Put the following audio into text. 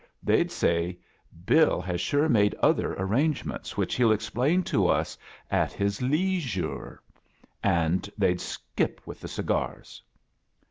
They'd say, 'Bill has sure made other arrange ments, which hell explain to us at his lees yure.* And they'd skip with the cigars."